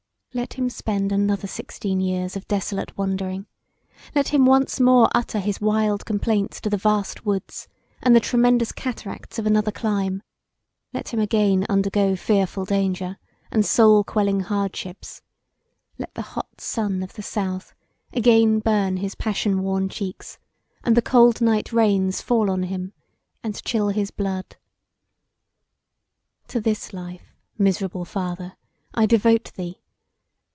Let him spend another sixteen years of desolate wandering: let him once more utter his wild complaints to the vast woods and the tremendous cataracts of another clime: let him again undergo fearful danger and soul quelling hardships: let the hot sun of the south again burn his passion worn cheeks and the cold night rains fall on him and chill his blood. To this life, miserable father, I devote thee!